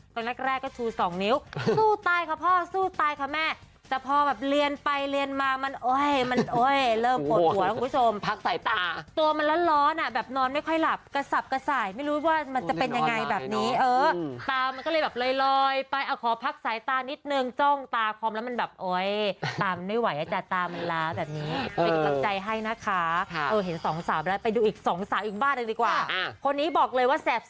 ตอนแรกก็ชูสองนิ้วสู้ตายค่ะพ่อสู้ตายค่ะแม่แต่พอแบบเรียนไปเรียนมามันโอ๊ยมันโอ๊ยเริ่มโผล่หัวทุกคุณผู้ชมพักใส่ตาตัวมันร้อนร้อนอะแบบนอนไม่ค่อยหลับกระสับกระส่ายไม่รู้ว่ามันจะเป็นยังไงแบบนี้เออตามันก็เลยแบบลอยไปอะขอพักใส่ตานิดหนึ่งจ้องตาคอมแล้